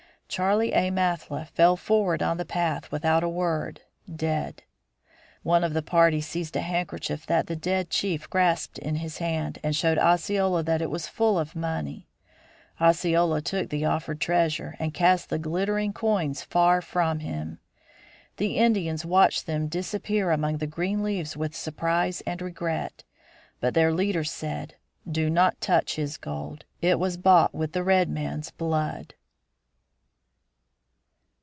Charley A. Mathla fell forward on the path without a word, dead. One of the party seized a handkerchief that the dead chief grasped in his hand and showed Osceola that it was full of money. Osceola took the offered treasure and cast the glittering coins far from him. The Indians watched them disappear among the green leaves with surprise and regret. But their leader said, "Do not touch his gold; it was bought with the red man's blood."